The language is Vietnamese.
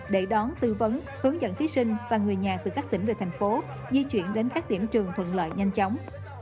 để đón tư vấn hướng dẫn thí sinh và người nhà từ các tỉnh về thành phố di chuyển đến các điểm trường thuận lợi nhanh chóng